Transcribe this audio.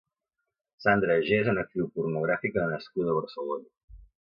Sandra G és una actriu pornogràfica nascuda a Barcelona.